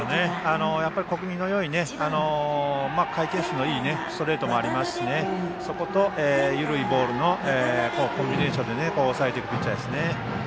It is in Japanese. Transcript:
小気味のよい回転数のいいストレートもありますしそこと、緩いボールのコンビネーションで抑えていくピッチャーですね。